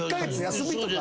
休みとか。